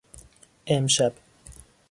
امشب